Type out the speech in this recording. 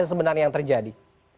sebenarnya yang terjadi